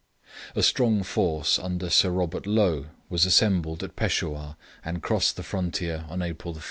A strong force under Sir Robert Low was assembled at Peshawur, and crossed the frontier on April 1.